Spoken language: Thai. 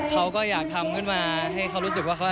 เขาก็อยากทำขึ้นมาให้เขารู้สึกว่าเขา